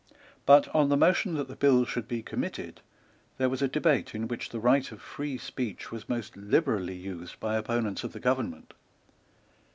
But, on the motion that the bill should be committed, there was a debate in which the right of free speech was most liberally used by the opponents of the government.